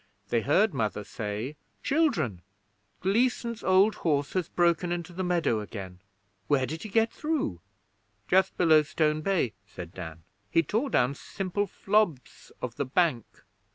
They heard Mother say: 'Children, Gleason's old horse has broken into the meadow again. Where did he get through?' 'Just below Stone Bay,' said Dan. 'He tore down simple flobs of the bank!